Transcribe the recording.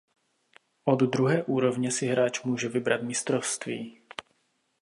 Od druhé úrovně si hráč může vybrat mistrovství.